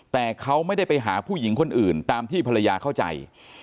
แต่เขาไม่ได้ไปหาผู้หญิงคนอื่นตามที่ภรรยาเข้าใจ